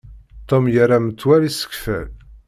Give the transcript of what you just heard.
Tom yerra metwal isekfal.